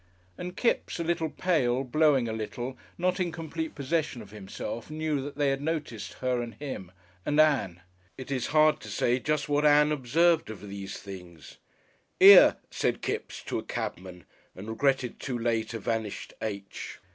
And Kipps, a little pale, blowing a little, not in complete possession of himself, knew that they noticed her and him. And Ann . It is hard to say just what Ann observed of these things. "'Ere!" said Kipps to a cabman, and regretted too late a vanished "H."